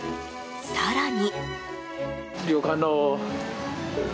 更に。